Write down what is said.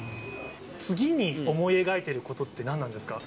次に思い描いていることって何なんですか？